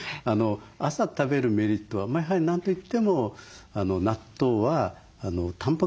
朝食べるメリットはやはり何と言っても納豆はタンパク質が豊富ですよね。